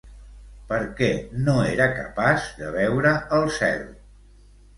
Per què no era capaç de veure el cel?